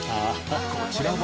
こちらは。